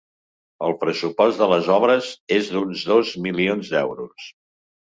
El pressupost de les obres és d’uns dos milions d’euros.